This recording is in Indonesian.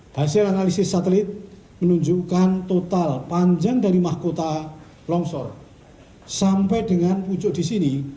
hasil analisis satelit menunjukkan total panjang dari mahkota longsor sampai dengan pucuk di sini